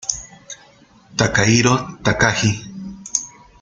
Takahiro Takagi